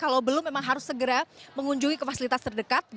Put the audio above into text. kalau belum memang harus segera mengunjungi ke fasilitas terdekat